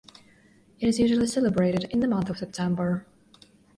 It is usually celebrated in the month of September.